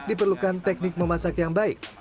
diperlukan teknik memasak yang baik